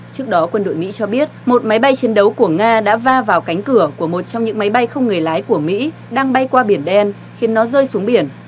trước đó quân đội mỹ cho biết một máy bay chiến đấu của nga đã va vào cánh cửa của một trong những máy bay không người lái của mỹ đang bay qua biển đen khiến nó rơi xuống biển